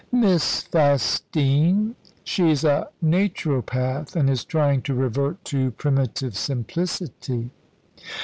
"Miss Fastine? She's a Naturopath, and is trying to revert to primitive simplicity."